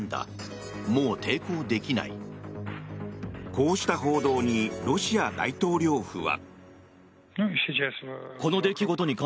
こうした報道にロシア大統領府は。